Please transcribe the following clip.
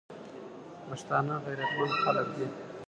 پښتانه غیرتمن خلک دي.